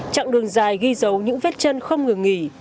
chặng đường dài ghi dấu những vết chân không ngừng nghỉ